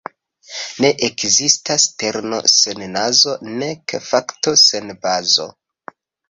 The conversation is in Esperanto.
Ne ekzistas terno sen nazo nek fakto sen bazo.